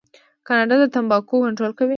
کاناډا د تمباکو کنټرول کوي.